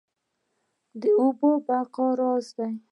اوبه د بقا راز دي